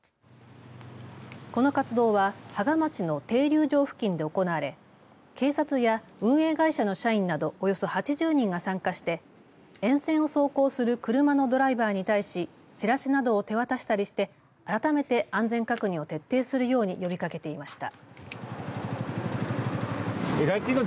この活動は芳賀町の停留場付近で行われ警察や運営会社の社員などおよそ８０人が参加して沿線を走行する車のドライバーに対しチラシなどを手渡したりして改めて安全確認を徹底するように呼びかけていました。